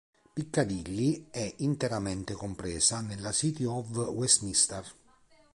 Piccadilly è interamente compresa nella City of Westminster.